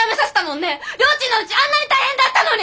りょーちんのうちあんなに大変だったのに！